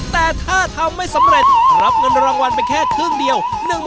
แต่ถ้าทำไม่สำเร็จรับเงินรางวัลไปแค่ครึ่งเดียว